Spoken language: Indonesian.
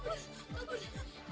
tidak tidak tidak